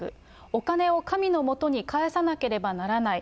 お金を神の元に返さなければならない。